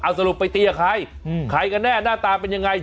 เอาสรุปไปตีกับใครใครกันแน่หน้าตาเป็นยังไง